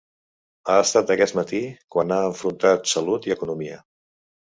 Ha estat aquest matí, quan ha enfrontat salut i economia.